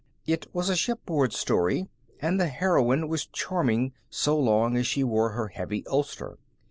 It was a shipboard story, and the heroine was charming so long as she wore her heavy ulster.